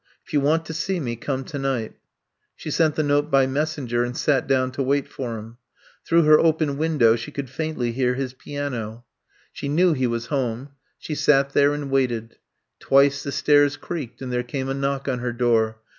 If you want to see me come tonight. '* She sent the note by messenger and sat down to wait for him. Through her open window she could faintly hear his piano. 168 I'VE COME TO STAY She knew he was home. She sat there and waited. Twice the stairs creaked and there came a knock on her door.